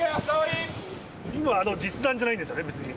今のは、実弾じゃないんですよね、別に。